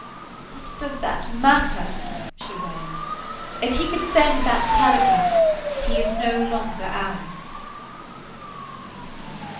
"What does that matter?" she wailed. "If he could send that telegram, he is no longer ours."